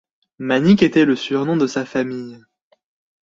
Manik était le surnom de sa famille.